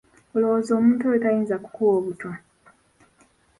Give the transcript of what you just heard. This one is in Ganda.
Olowooza omuntu oyo tayinza kukuwa obutwa?